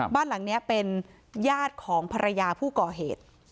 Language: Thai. บ้านหลังนี้เป็นญาติของภรรยาผู้ก่อเหตุ